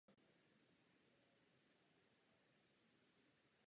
V okolí této restaurace byly poté postaveny první rodinné domky.